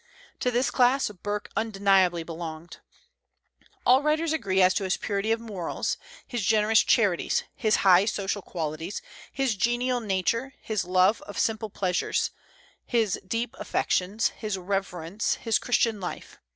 To this class Burke undeniably belonged. All writers agree as to his purity of morals, his generous charities, his high social qualities, his genial nature, his love of simple pleasures, his deep affections, his reverence, his Christian life.